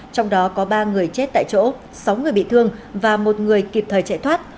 trong đó có ba người chết tại chỗ sáu người bị thương và một người kịp thời chạy thoát